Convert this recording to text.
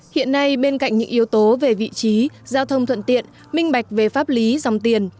hiện nay bên cạnh những yếu tố về vị trí giao thông thuận tiện minh bạch về pháp lý dòng tiền